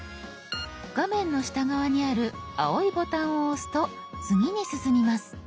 画面の下側にある青いボタンを押すと次に進みます。